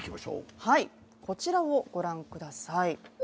こちらをご覧ください。